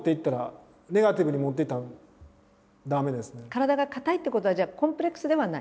体が硬いってことはじゃあコンプレックスではない？